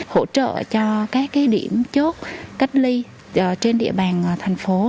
hỗ trợ cho các điểm chốt cách ly trên địa bàn thành phố